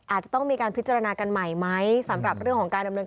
อาจจะต้องมีการพิจารณากันใหม่ไหมสำหรับเรื่องของการดำเนิน